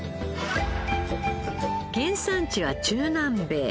原産地は中南米。